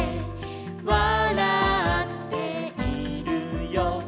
「わらっているよ」